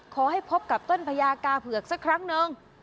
พบกับต้นพญากาเผือกสักครั้งนึง